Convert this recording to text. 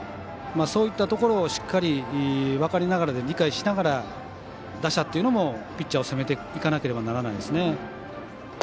そういったところをしっかり分かりながら理解しながら、打者というのもピッチャーを攻めていかなければならないですね。